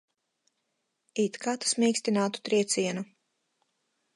It kā tas mīkstinātu triecienu.